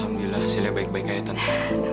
alhamdulillah sila baik baik ya tante